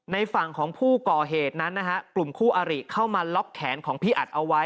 ในฝั่งของผู้ก่อเหตุนั้นนะฮะกลุ่มคู่อาริเข้ามาล็อกแขนของพี่อัดเอาไว้